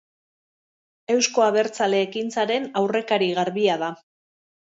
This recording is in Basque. Eusko Abertzale Ekintzaren aurrekari garbia da.